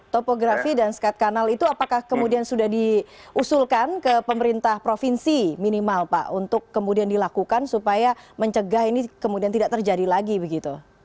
topografi dan sket kanal itu apakah kemudian sudah diusulkan ke pemerintah provinsi minimal pak untuk kemudian dilakukan supaya mencegah ini kemudian tidak terjadi lagi begitu